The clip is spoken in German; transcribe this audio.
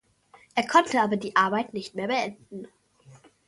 Er konnte aber die Arbeit nicht mehr beenden.